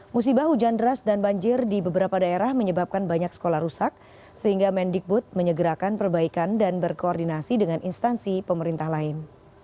musibah hujan deras dan banjir di beberapa daerah menyebabkan banyak sekolah rusak sehingga mendikbud menyegerakan perbaikan dan berkoordinasi dengan instansi pemerintah lain